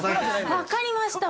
分かりました。